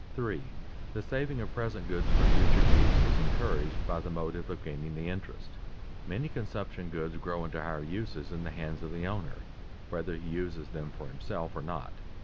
[Sidenote: Interest is the equalizer of time values] 3. The saving of present goods for future use is encouraged by the motive of gaining the interest. Many consumption goods grow into higher uses in the hands of the owner, whether he uses them for himself or not.